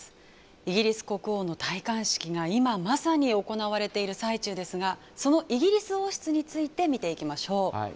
イギリス国王の戴冠式が今まさに行われている最中ですがそのイギリス王室について見ていきましょう。